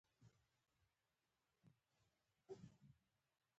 په افغانستان کې بادام ډېر اهمیت لري.